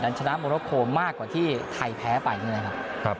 ดันชนะโมโรโคมมากกว่าที่ไทยแพ้ไปด้วยนะครับ